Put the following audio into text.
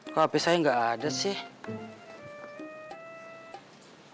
kok hp saya nggak ada sih